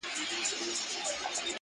توروه سترگي ښايستې په خامـوشـۍ كي